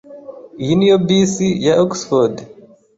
Iyi niyo bisi ya Oxford?